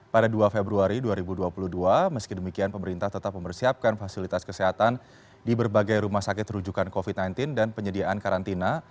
pada dua februari dua ribu dua puluh dua meski demikian pemerintah tetap mempersiapkan fasilitas kesehatan di berbagai rumah sakit rujukan covid sembilan belas dan penyediaan karantina